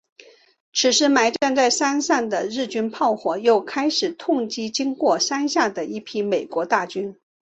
此时埋藏在山上的日军炮火又开始痛击经过山下的一批美军大队。